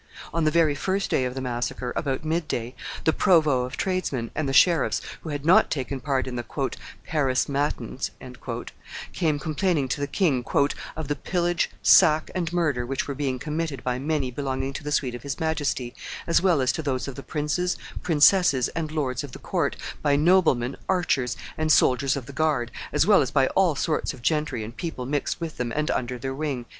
On the very first day of the massacre, about midday, the provost of tradesmen and the sheriffs, who had not taken part in the "Paris matins," came complaining to the king "of the pillage, sack, and murder which were being committed by many belonging to the suite of his Majesty, as well as to those of the princes, princesses, and lords of the court, by noblemen, archers, and soldiers of the guard, as well as by all sorts of gentry and people mixed with them and under their wing."